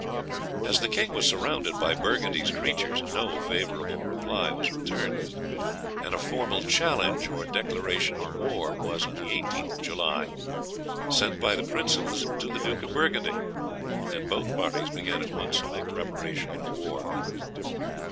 "As the king was surrounded by Burgundy's creatures no favourable reply was returned, and a formal challenge or declaration of war was, on the 18th of July, sent by the princes to the Duke of Burgundy, and both parties began at once to make preparation for war.